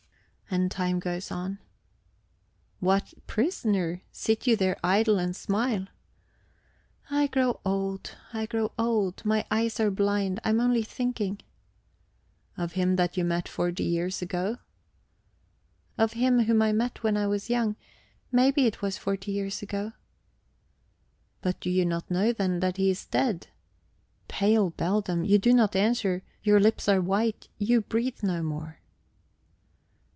And time goes on... "What, prisoner! sit you there idle, and smile?" "I grow old, I grow old, my eyes are blind, I am only thinking." "Of him that you met forty years ago?" "Of him whom I met when I was young. Maybe it was forty years ago." "But do you not know, then, that he is dead? ... Pale beldam, you do not answer; your lips are white, you breathe no more..."